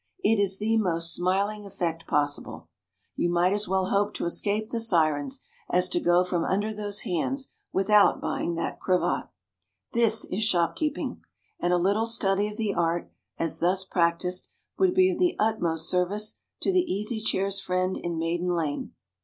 It is the most smiling effect possible!" You might as well hope to escape the sirens, as to go from under those hands without buying that cravat. This is shopkeeping, and a little study of the art, as thus practised, would be of the utmost service to the Easy Chair's friend in Maiden Lane.